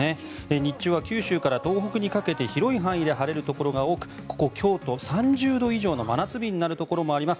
日中は九州から東北にかけて広い範囲で晴れるところが多くここ京都３０度以上の真夏日になるところもあります。